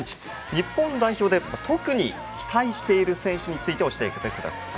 日本代表で特に期待している選手について教えてください。